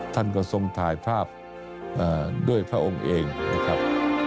ท่านก็ทรงถ่ายภาพด้วยพระองค์เองนะครับ